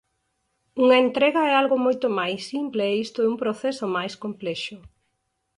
Unha entrega é algo moito máis simple e isto é un proceso máis complexo.